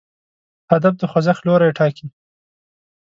هدف د خوځښت لوری ټاکي.